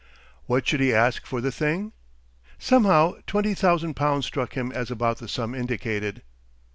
What should he ask for the thing? Somehow twenty thousand pounds struck him as about the sum indicated.